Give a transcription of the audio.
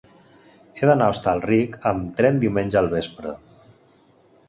He d'anar a Hostalric amb tren diumenge al vespre.